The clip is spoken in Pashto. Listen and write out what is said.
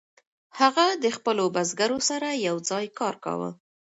هغه د خپلو بزګرو سره یوځای کار کاوه.